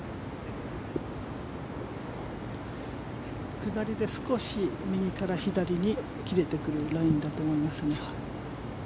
下りで少し右から左に切れてくるラインだと思いますね。